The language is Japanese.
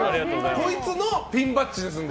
こいつのピンバッジですので。